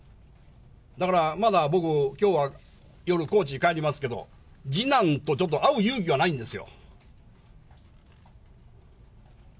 だから、まだ僕、きょうは夜、高知に帰りますけど、次男とちょっと会う勇気がないんですよ。